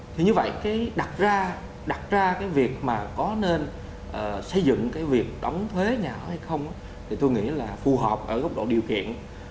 thì như vậy đặt ra việc mà có nên xây dựng việc đóng thuế nhà ở hay không thì tôi nghĩ là phù hợp ở góc độ điều kiện